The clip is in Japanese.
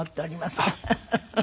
フフフフ。